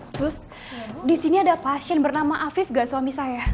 sus disini ada pasien bernama afif gak suami saya